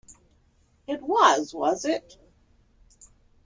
It was, was it?